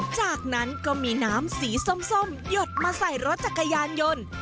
จากนั้นก็มีน้ำสีส้มหยดมาใส่รถจักรยานยนต์